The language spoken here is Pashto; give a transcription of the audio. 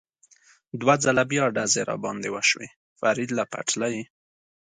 دوه ځله بیا ډزې را باندې وشوې، فرید له پټلۍ.